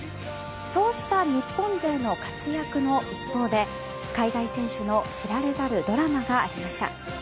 そうした日本勢の活躍の一方で海外選手の知られざるドラマがありました。